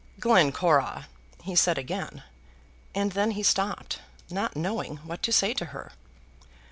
"Glencora!" he said again; and then he stopped, not knowing what to say to her.